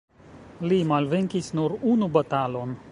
Li malvenkis nur unu batalon.